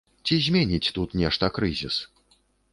Ці зменіць тут нешта крызіс?